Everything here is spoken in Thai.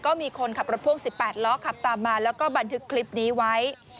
ก็มีคนขับรถพ่วง๑๘ล้อขับตามมาแล้วก็บันทึกคลิปนี้ไว้